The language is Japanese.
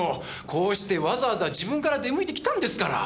こうしてわざわざ自分から出向いてきたんですから。